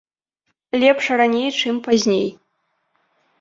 Лепш раней, чым пазней.